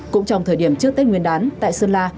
cũng trong thời điểm trước tết nguyên đán tại sơn la